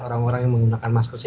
orang orang yang menggunakan masker